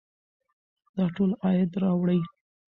دا ټول عاید راوړي.